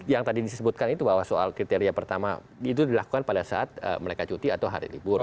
yang tadi disebutkan itu bahwa soal kriteria pertama itu dilakukan pada saat mereka cuti atau hari libur